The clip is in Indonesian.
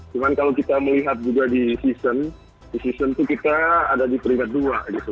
cuma kalau kita melihat juga di season di season itu kita ada di peringkat dua gitu